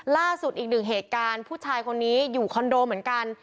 ล่าสุดอีกหนึ่งเหตุการณ์ผู้ชายคนนี้อยู่คอนโดเหมือนกัน